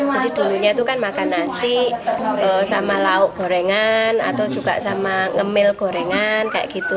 jadi dulunya itu kan makan nasi sama lauk gorengan atau juga sama ngemil gorengan kayak gitu